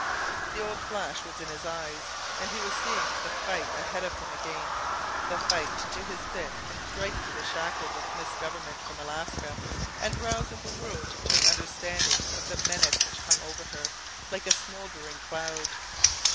The old flash was in his eyes and he was seeing the fight ahead of him again—the fight to do his bit in striking the shackles of misgovernment from Alaska and rousing the world to an understanding of the menace which hung over her like a smoldering cloud.